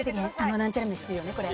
なんちゃらめしって言うよねこれ。